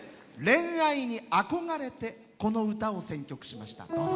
恋愛に憧れてこの歌を選曲しました。